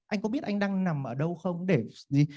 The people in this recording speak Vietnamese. anh có biết anh đang nằm ở đâu không để gì